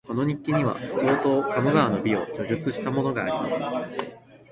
この日記には、相当鴨川の美を叙述したものがあります